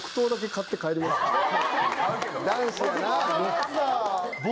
男子やな。